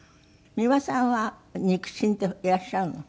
美輪さんは肉親っていらっしゃるの？